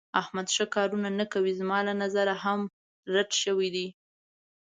احمد ښه کارونه نه کوي. زما له نظره هم رټ شوی دی.